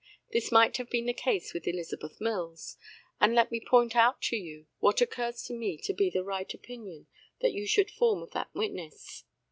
This might have been the case with Elizabeth Mills; and let me point out to you what occurs to me to be the right opinion that you should form of that witness.